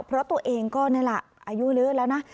เพราะตัวเองก็นี่แหละอายุเยอะแล้วนะ